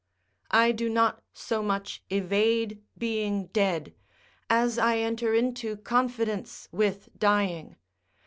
I do not so much evade being dead, as I enter into confidence with dying.